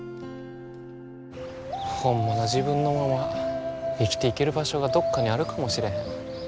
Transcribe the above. ホンマの自分のまま生きていける場所がどっかにあるかもしれへん。